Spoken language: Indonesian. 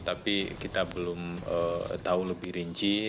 tapi kita belum tahu lebih rinci